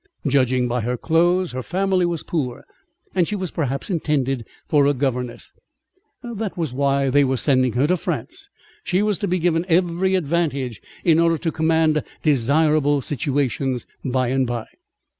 Judging by her clothes, her family was poor, and she was perhaps intended for a governess: that was why they were sending her to France. She was to be given "every advantage," in order to command "desirable situations" by and by.